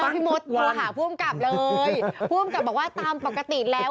ผู้ขับบอกว่าตามปกติแล้ว